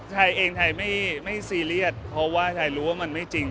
ไทยเองไทยไม่ซีเรียสเพราะว่าชายรู้ว่ามันไม่จริง